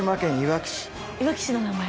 いわき市の名前。